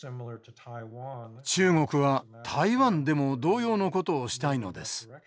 中国は台湾でも同様のことをしたいのです。